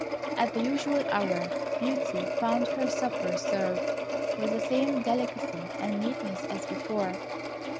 At the usual hour, Beauty found her supper served, with the same delicacy and neatness as before.